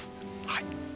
はい。